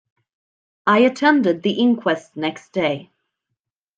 I attended the inquest next day.